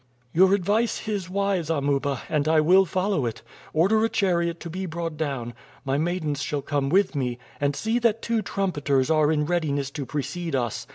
"Your advice is wise, Amuba, and I will follow it. Order a chariot to be brought down. My maidens shall come with me; and see that two trumpeters are in readiness to precede us.